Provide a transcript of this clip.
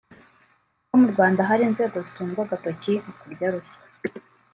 ko mu Rwanda hari inzego zitungwa agatoki mu kurya ruswa